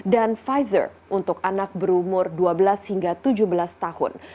dan pfizer untuk anak berumur dua belas hingga tujuh belas tahun